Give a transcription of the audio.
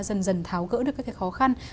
dần dần tháo gỡ được các cái khó khăn